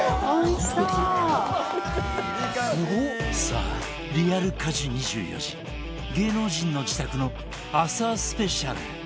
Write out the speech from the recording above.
さあ、リアル家事２４時芸能人の自宅の朝スペシャル。